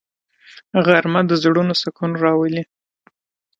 غرمه د زړونو سکون راولي